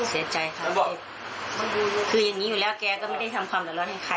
เสียใจครับเจฟคือยังนี้อยู่แล้ว